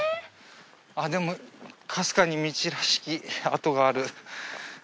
あっでもかすかに道らしき跡がある。